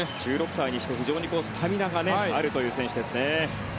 １６歳にして非常にスタミナがあるという選手ですね。